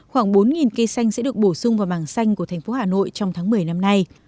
khoảng bốn cây xanh sẽ được bổ sung vào màng xanh của thành phố hà nội trong tháng một mươi năm nay